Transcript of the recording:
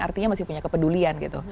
artinya masih punya kepedulian gitu